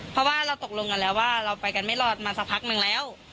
เพราะว่าเราตกลงกันแล้วว่าเราไปกันไม่รอดมาสักพักนึงแล้ว